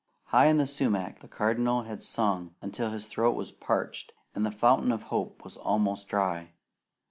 High in the sumac the Cardinal had sung until his throat was parched, and the fountain of hope was almost dry.